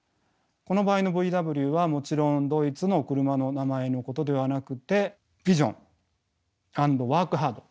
この場合のＶＷはもちろんドイツの車の名前のことではなくてビジョン＆ワークハード。